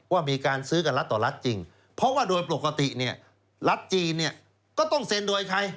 ว่ามีการซื้อกันรัฐต่อรัฐจริงเพราะว่าโดยปกติเนี่ยรัฐจีนเนี่ยก็ต้องเซ็นโดยใคร